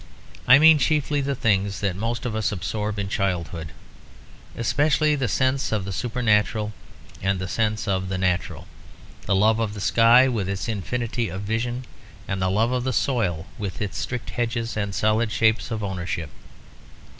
I mean chiefly the things that most of us absorb in childhood; especially the sense of the supernatural and the sense of the natural; the love of the sky with its infinity of vision, and the love of the soil with its strict hedges and solid shapes of ownership.